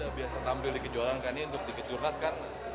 eko udah biasa tampil dikejuaran kali ini untuk dikejur nas kan